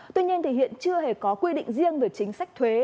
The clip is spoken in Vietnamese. tuy nhiên thì hiện chưa hề có quy định riêng về chính sách thuế